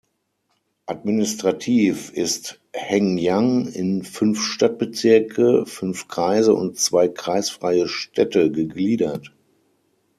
Administrativ ist Hengyang in fünf Stadtbezirke, fünf Kreise und zwei kreisfreie Städte gegliedert.